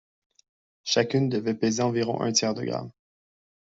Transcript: Chacune devait peser environ un tiers de gramme.